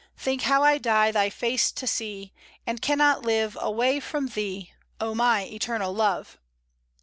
Think how I die Thy face to see, And cannot live away from Thee, O my Eternal Love!"